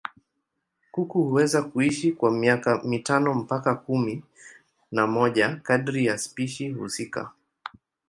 Kuku huweza kuishi kwa miaka mitano mpaka kumi na moja kadiri ya spishi husika.